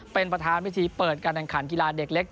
เป็นประธานวิธีเปิดการแข่งขันกีฬาเด็กเล็ก